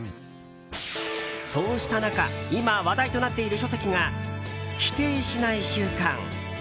そうした中今、話題となっている書籍が「否定しない習慣」。